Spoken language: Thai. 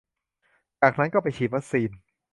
จากนั้นก็ไปฉีดวัคซีน